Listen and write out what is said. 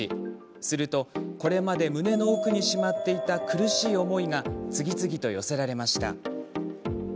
するとこれまで胸の奥にしまっていた苦しい思いが次々と寄せられました。